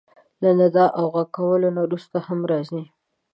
له ندا او غږ کولو نه وروسته هم راځي.